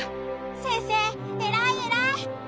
先生偉い偉い！